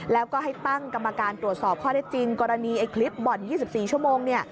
แล้วก็ให้ตั้งกรรมการตรวจสอบข้อได้จริงกรณีไอ้คลิปบ่อน๒๔ชั่วโมง